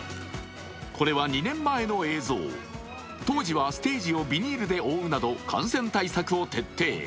これは２年前の映像、当時はステージをビニールで覆うなど感染対策を徹底。